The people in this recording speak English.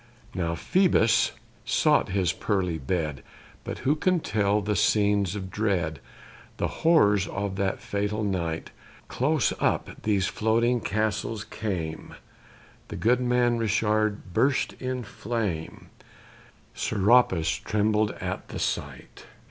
Now Phoebus sought his pearly bed: But who can tell the scenes of dread, The horrors of that fatal night! Close up these floating castles came: The Good Man Richard bursts in flame; Serapis trembled at the sight.